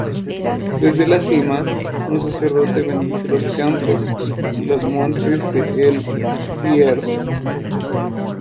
Desde la cima, un sacerdote bendice los campos y los montes de El Bierzo.